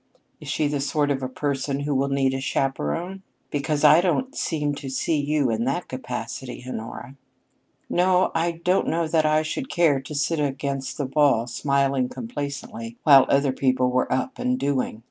"Is she the sort of a person who will need a chaperon? Because I don't seem to see you in that capacity, Honora." "No, I don't know that I should care to sit against the wall smiling complacently while other people were up and doing.